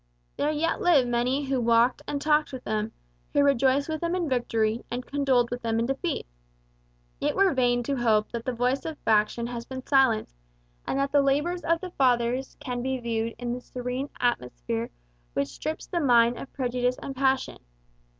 There yet live many who walked and talked with them, who rejoiced with them in victory and condoled with them in defeat. It were vain to hope that the voice of faction has been silenced and that the labours of the Fathers can be viewed in the serene atmosphere which strips the mind of prejudice and passion.